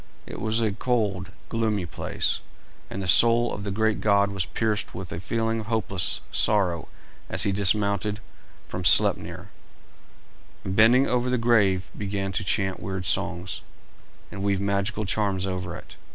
It was a cold, gloomy place, and the soul of the great god was pierced with a feeling of hopeless sorrow as he dismounted from Sleipner, and bending over the grave began to chant weird songs, and weave magical charms over it.